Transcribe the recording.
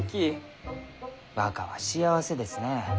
若は幸せですね。